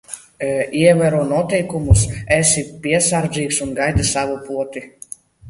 Ievēro noteikumus, esi piesardzīgs un gaidi savu poti.